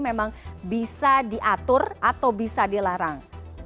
memang bisa diatur atau bisa dilarang